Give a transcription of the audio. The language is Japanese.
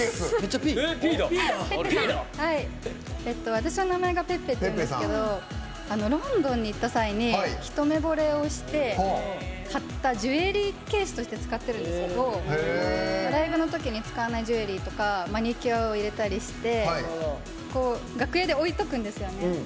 私の名前がｐｅｐｐｅというんですけどロンドンに行った際に一目ぼれをして買ったジュエリーケースとして使ってるんですけどライブのときに使わないジュエリーとかマニキュアを入れたりして楽屋で置いておくんですよね。